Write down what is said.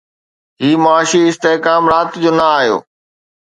هي معاشي استحڪام رات جو نه آيو